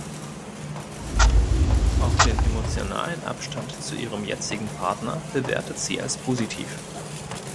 Auch den emotionalen Abstand zu ihrem jetzigen Partner bewertet sie als positiv.